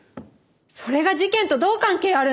それが事件とどう関係あるんです？